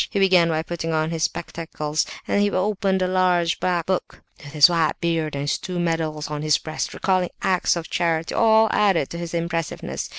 He began by putting on his spectacles, then he opened a large black book; his white beard, and his two medals on his breast, recalling acts of charity, all added to his impressiveness.